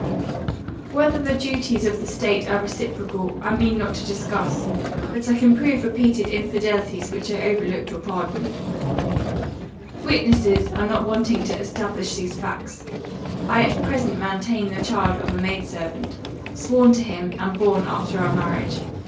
Whether the duties of the state are reciprocal, I mean not to discuss; but I can prove repeated infidelities which I overlooked or pardoned. Witnesses are not wanting to establish these facts. I at present maintain the child of a maid servant, sworn to him, and born after our marriage.